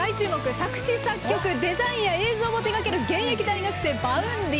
作詞・作曲デザインや映像も手がける現役大学生、Ｖａｕｎｄｙ。